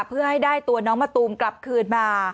เพื่อให้ได้ตัวน้องมะตูมกลับคืนมา